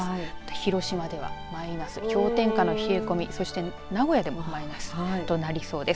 広島ではマイナス氷点下の冷え込みそして名古屋でもマイナスとなりそうです。